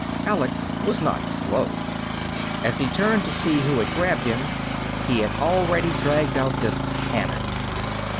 Alex was not slow. As he turned to see who had grabbed him, he had already dragged out this cannon.